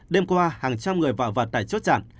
đêm qua hàng trăm người vào và tải chốt chặn